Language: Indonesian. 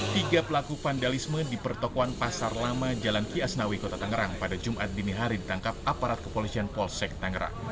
tiga pelaku vandalisme di pertokoan pasar lama jalan kiasnawi kota tangerang pada jumat dini hari ditangkap aparat kepolisian polsek tangerang